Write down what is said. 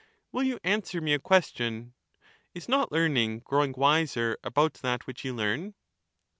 Will you answer me a question :' Is not learning growing wiser about that which you learn